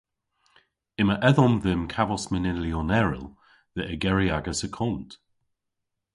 Yma edhom dhymm kavos manylyon erel dhe ygeri agas akont.